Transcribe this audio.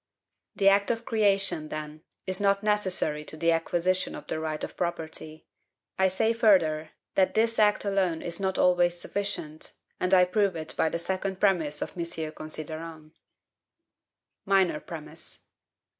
The act of creation, then, is not NECESSARY to the acquisition of the right of property. I say further, that this act alone is not always sufficient, and I prove it by the second premise of M. Considerant: Minor Premise.